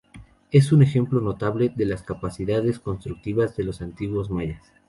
Es un ejemplo notable de las capacidades constructivas de los antiguos mayas.